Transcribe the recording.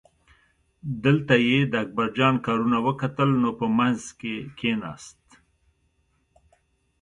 دلته یې د اکبرجان کارونه وکتل نو په منځ کې کیناست.